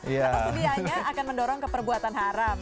apa sedianya akan mendorong keperbuatan haram